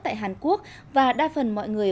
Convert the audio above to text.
tại hàn quốc và đa phần mọi người